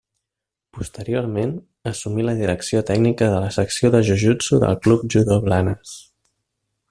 Posteriorment, assumí la direcció tècnica de la secció de jujutsu del Club Judo Blanes.